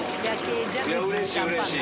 うれしいうれしい！